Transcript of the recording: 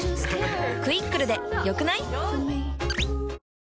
「クイックル」で良くない？